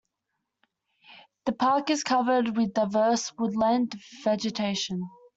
The park is covered with diverse woodland vegetation.